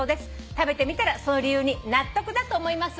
食べてみたらその理由に納得だと思いますよ」